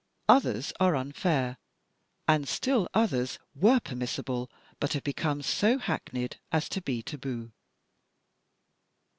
Others are unfair; and still others were permissible but have become so hackneyed as to be taboo.